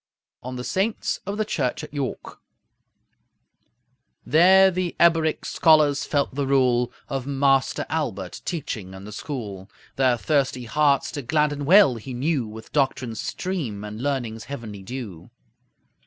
ON THE SAINTS OF THE CHURCH AT YORK There the Eboric scholars felt the rule Of Master Aelbert, teaching in the school. Their thirsty hearts to gladden well he knew With doctrine's stream and learning's heavenly dew.